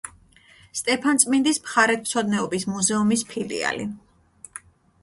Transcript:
სტეფანწმინდის მხარეთმცოდნეობის მუზეუმის ფილიალი.